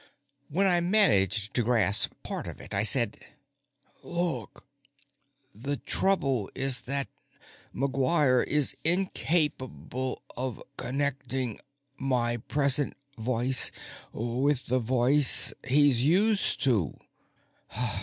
When I managed to grasp part of it, I said: "Look. The trouble is that McGuire is incapable of connecting my present voice with the voice he's used to.